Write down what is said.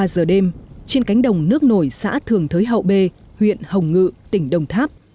ba giờ đêm trên cánh đồng nước nổi xã thường thới hậu bê huyện hồng ngự tỉnh đồng tháp